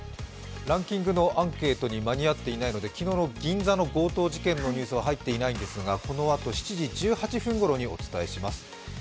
ランキングのアンケートに間に合っていないので、昨日の銀座の強盗事件のニュースは入っていないんですが、このあと７時１８分ごろにお伝えします。